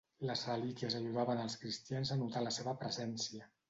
Les relíquies ajudaven als cristians a notar la seva presència.